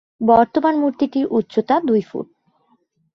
বর্তমান মূর্তিটির উচ্চতা দুই ফুট।